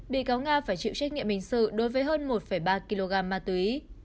bị cáo nga phải chịu trách nhiệm hình sự đối với hơn một ba kg ma túy